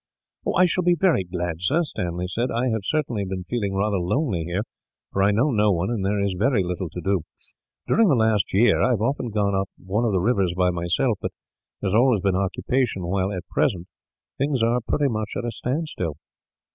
"I shall be very glad, sir," Stanley said. "I have certainly been feeling rather lonely here; for I know no one, and there is very little to do. During the last year, I have often gone up one of the rivers by myself; but there has always been occupation while, at present, things are at a standstill."